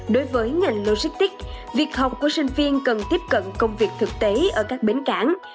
đối với ngành logistics việc học của sinh viên cần tiếp cận công việc thực tế ở các bến cảng